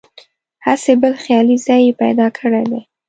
هسې بل خیالي ځای یې پیدا کړی دی.